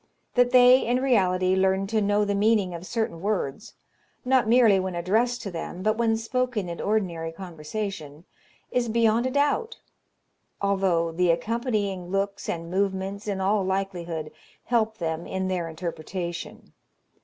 That they in reality learn to know the meaning of certain words, not merely when addressed to them, but when spoken in ordinary conversation, is beyond a doubt; although the accompanying looks and movements in all likelihood help them in their interpretation.